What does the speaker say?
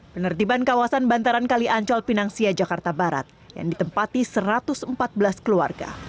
penertiban kawasan bantaran kaliancol pinangsia jakarta barat yang ditempati satu ratus empat belas keluarga